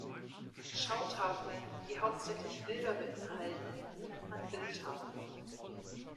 Schautafeln, die hauptsächlich Bilder beinhalten, nennt man Bildtafeln.